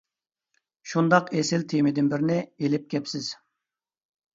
شۇنداق ئېسىل تېمىدىن بىرنى ئېلىپ كەپسىز.